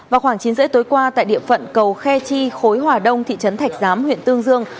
vào khoảng chín h ba mươi tối qua tại địa phận cầu khe chi khối hòa đông thị trấn thạch giám huyện tương dương